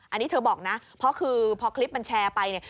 อันนี้เธอบอกนะเพราะคือพอคลิปมันแชร์ไปเนี่ย